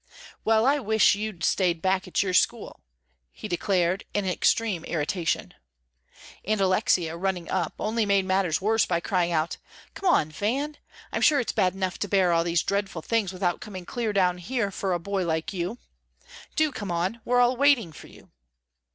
"Well, I wish you'd stayed back in your school," he declared in extreme irritation. And Alexia, running up, only made matters worse by crying out: "Come on, Van, I'm sure it's bad enough to bear all these dreadful things without coming clear down here for a boy like you. Do come on, we're all waiting for you."